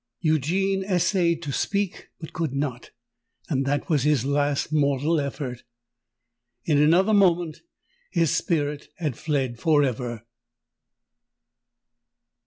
Eugene essayed to speak—but could not: and that was his last mortal effort. In another moment his spirit had fled for ever!